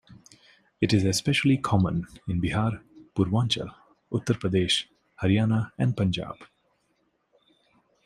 It is especially common in Bihar, Purvanchal, Uttar Pradesh, Haryana and Punjab.